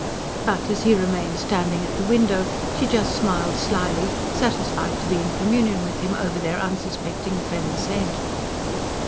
But, as he remained standing at the window, she just smiled slyly, satisfied to be in communion with him over their unsuspecting friend's head.